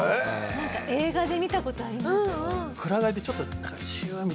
なんか映画で見た事あります。